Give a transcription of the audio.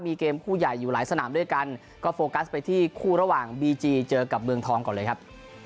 มีเกมคู่ใหญ่อยู่หลายสนามด้วยกันก็โฟกัสไปที่คู่ระหว่างบีจีเจอกับเมืองทองก่อนเลยครับ